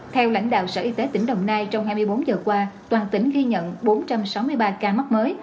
theo lãnh đạo sở y tế tỉnh đồng nai trong hai mươi bốn giờ qua toàn tỉnh ghi nhận bốn trăm sáu mươi ba ca mắc mới